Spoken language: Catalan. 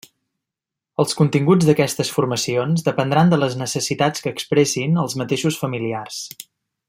Els continguts d'aquestes formacions dependran de les necessitats que expressin els mateixos familiars.